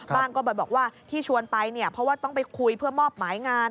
ก็บอกว่าที่ชวนไปเนี่ยเพราะว่าต้องไปคุยเพื่อมอบหมายงาน